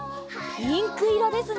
ピンクいろですね。